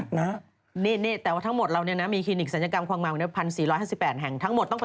พยายามติดต่อไปนะฮะทางผู้สื่อข่าว